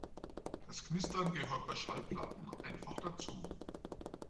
Das Knistern gehört bei Schallplatten einfach dazu.